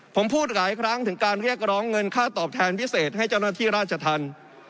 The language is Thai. ผมพูดหลายครั้งถึงการเรียกร้องเงินค่าตอบแทนพิเศษให้เจ้าหน้าที่ราชธรรม